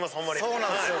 そうなんですよ。